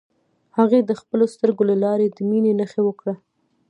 هغې د خپلو سترګو له لارې د مینې نښه ورکړه.